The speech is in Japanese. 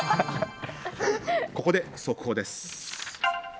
ここで速報です。